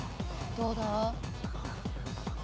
どうだ？